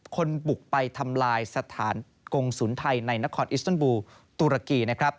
คนปลุกไปทำลายสถานกงศูนย์ไทยในนาคอร์ดอิสเติ้ลบูร์ตุรกี